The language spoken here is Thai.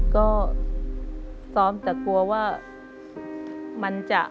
ก็ซ้อมแต่กลัวว่ามันจะ